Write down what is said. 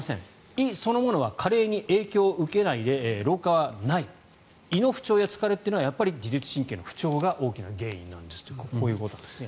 胃そのものは加齢に影響を受けないで老化はない胃の不調や疲れというのはやっぱり自律神経の不調が大きな原因なんですというこういうことなんですね。